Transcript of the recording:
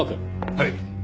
はい。